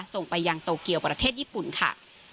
ส่งไปยังโตเกียวประเทศญี่ปุ่นค่ะ